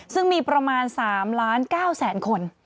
ซึ่งมีประมาณ๓ล้าน๙แสนคน